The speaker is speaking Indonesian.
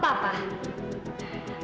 minta maaf untuk apa